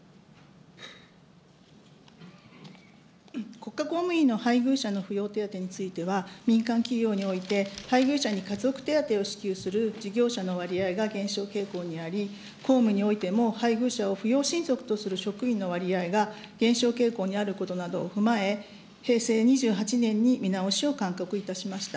国家公務員の配偶者の扶養手当については、民間企業において配偶者に家族手当を支給する事業者の割合が減少傾向にあり、公務においても、配偶者を扶養親族とする職員の割合が減少傾向にあることなどを踏まえ、平成２８年に見直しを勧告いたしました。